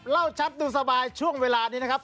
ชัดดูสบายช่วงเวลานี้นะครับ